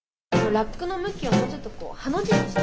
ラックの向きをもうちょっとこうハの字にして。